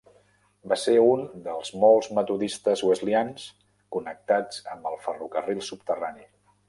Va ser un dels molts metodistes wesleyans connectats amb el ferrocarril subterrani.